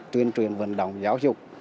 tuyên truyền vận động giáo dục